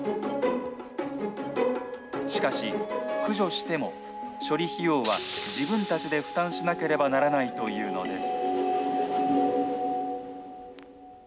しかし、駆除しても処理費用は自分たちで負担しなければならないというのです。